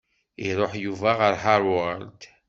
Iṛuḥ Yuba ɣer Harvard.